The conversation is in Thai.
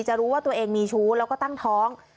รู้ว่าตัวเองมีชู้แล้วก็ตั้งท้อง